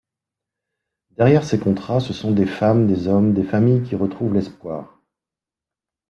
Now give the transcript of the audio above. Derrière ces contrats, ce sont des femmes, des hommes, des familles qui retrouvent l’espoir.